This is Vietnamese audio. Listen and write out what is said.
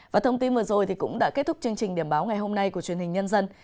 và thông tin vừa rồi cũng đã kết thúc chương trình điểm báo ngày hôm nay của truyền hình nhân dân